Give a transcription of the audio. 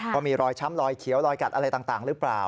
ว่ามีรอยช้ำรอยเขียวรอยกัดอะไรต่างหรือเปล่า